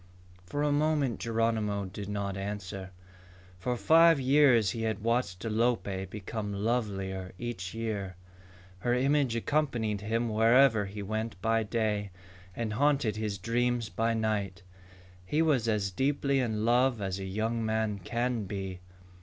For a moment Geronimo did not answer. For five years he had watched Alope become lovelier each year. Her image accompanied him wherever he went by day and haunted his dreams by night. He was as deeply in love as a young man can be.